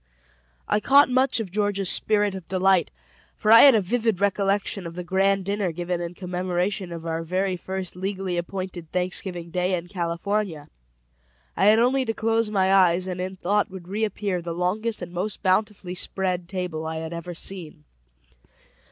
I caught much of Georgia's spirit of delight, for I had a vivid recollection of the grand dinner given in commemoration of our very first legally appointed Thanksgiving Day in California; I had only to close my eyes, and in thought would reappear the longest and most bountifully spread table I had ever seen.